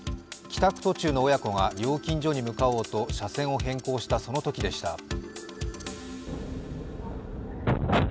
帰宅途中の親子が料金所に向かおうと車線を変更したそのときでした。